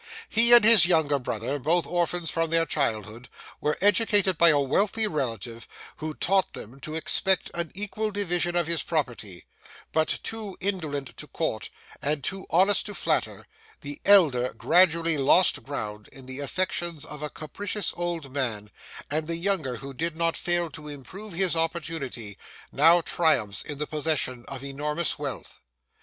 He and his younger brother, both orphans from their childhood, were educated by a wealthy relative, who taught them to expect an equal division of his property; but too indolent to court, and too honest to flatter, the elder gradually lost ground in the affections of a capricious old man, and the younger, who did not fail to improve his opportunity, now triumphs in the possession of enormous wealth.